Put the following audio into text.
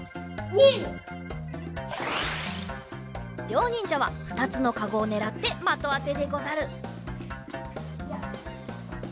りょうにんじゃはふたつのかごをねらってまとあてでござる。